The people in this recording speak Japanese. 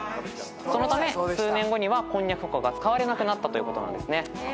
そのため数年後にはこんにゃく粉が使われなくなったということなんですね。